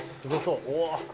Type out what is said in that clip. うわ！